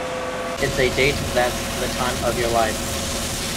It's a date that's the time of your life.